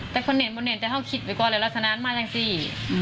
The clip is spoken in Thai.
แต่คนเห็นบนเห็นแต่เข้าคิดไปก่อนเลยลักษณะมันมากจังสิ